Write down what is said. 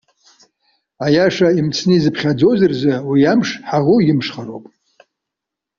Аиаша имцны изыԥхьаӡоз рзы уи амш, ҳаӷоу имшхароуп!